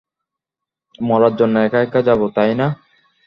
মরার জন্য একা একা যাবো, তাই না?